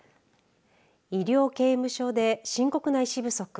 医療刑務所で深刻な医師不足